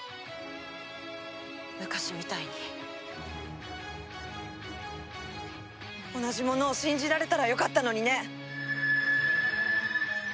昔みたいに同じものを信じられたらよかったのにね！